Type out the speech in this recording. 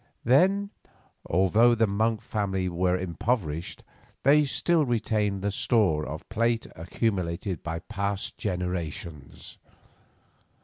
Then, although the Monk family were impoverished, they still retained the store of plate accumulated by past generations.